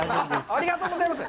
ありがとうございます。